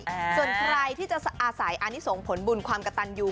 ส่วนใครที่จะอาศัยอันนี้ส่งผลบุญความกระตันอยู่